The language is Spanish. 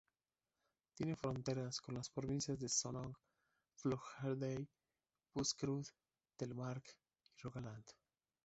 Tiene fronteras con las provincias de Sogn og Fjordane, Buskerud, Telemark y Rogaland.